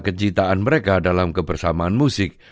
kecintaan mereka dalam kebersamaan musik